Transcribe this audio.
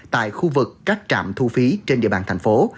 tại khu vực các trạm thu phí trên địa bàn thành phố